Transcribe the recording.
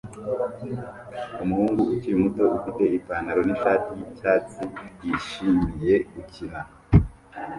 Umuhungu ukiri muto ufite Ipanaro nishati yicyatsi yishimiye gukina